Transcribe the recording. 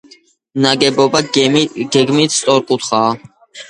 ნაგებობა გეგმით სწორკუთხაა.